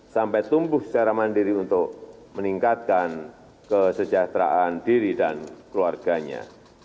sampai tumbuh secara mandiri untuk meningkatkan kesejahteraan diri dan keluarganya